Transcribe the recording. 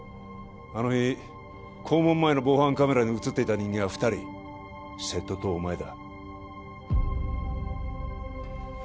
あの日校門前の防犯カメラに映っていた人間は２人瀬戸とお前だ